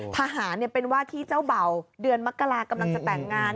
ทหารเป็นว่าที่เจ้าเบ่าเดือนมกรากำลังจะแต่งงาน